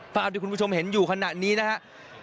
ภาพที่คุณผู้ชมเห็นอยู่ขณะนี้นะครับ